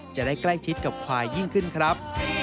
จะได้ใกล้ชิดกับควายยิ่งขึ้นครับ